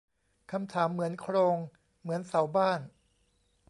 คำถามเหมือนโครงเหมือนเสาบ้าน